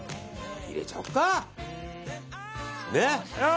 入れちゃおっか。